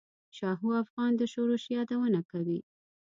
شاهو افغان د شورش یادونه کوي.